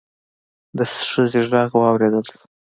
د ښځې غږ واوريدل شو.